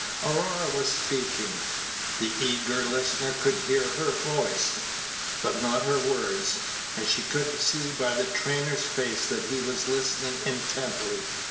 Aurora was speaking. The eager listener could hear her voice, but not her words; and she could see by the trainer's face that he was listening intently.